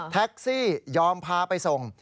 แท็กซี่ยอมพาไปส่ง